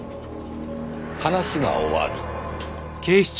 話が終わる。